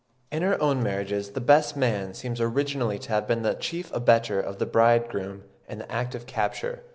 In our own marriages the "best man" seems originally to have been the chief abettor of the bridegroom in the act of capture.